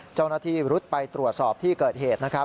เจ้าหน้าที่รุดไปตรวจสอบที่เกิดเหตุนะครับ